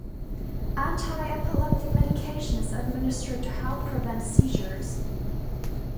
Antiepileptic medication is administered to help prevent seizures.